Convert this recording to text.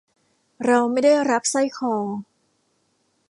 เราไม่ได้รับสร้อยคอ